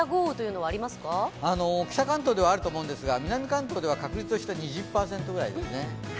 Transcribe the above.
北関東ではないですが、南関東では確率として２０％ぐらいですね。